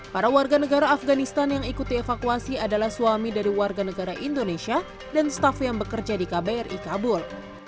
para warga negara afganistan yang ikuti evakuasi adalah suami dari warga negara indonesia dan staff yang bekerja di kbri kabul